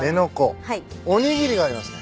おにぎりがありますね。